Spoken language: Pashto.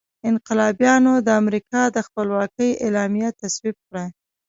انقلابیانو د امریکا د خپلواکۍ اعلامیه تصویب کړه.